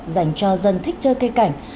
dành cho dân thích chơi cây cảnh